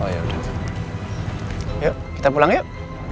yuk kita pulang yuk